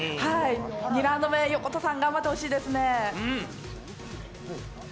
２ラウンド目、横田さん頑張ってほしいですね。